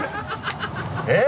えっ？